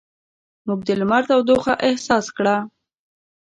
موږ د لمر تودوخه احساس کړه.